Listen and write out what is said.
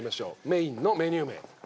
メインのメニュー名。